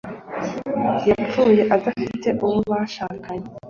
yapfuye adafite uwo bashakanye